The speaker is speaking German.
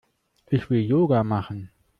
Ich will Yoga machen.